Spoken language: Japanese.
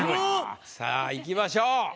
さあいきましょう。